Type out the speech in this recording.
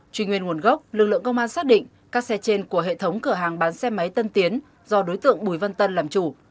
truy nguyên nguồn gốc lực lượng công an xác định các xe trên của hệ thống cửa hàng bán xe máy tân tiến do đối tượng bùi văn tân làm chủ